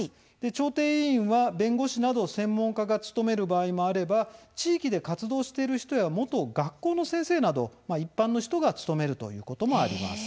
調停委員は弁護士など専門家が務める場合もあれば地域で活動している人や元学校の先生など、一般の人が務めるということもあります。